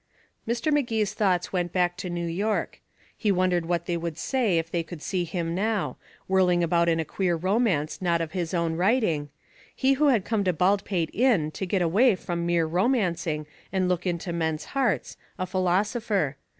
Mr. Magee's thoughts went back to New York. He wondered what they would say if they could see him now, whirling about in a queer romance not of his own writing he who had come to Baldpate Inn to get away from mere romancing and look into men's hearts, a philosopher.